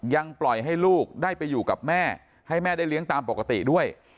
ยังปล่อยให้ลูกได้ไปอยู่กับแม่ให้แม่ได้เลี้ยงตามปกติด้วย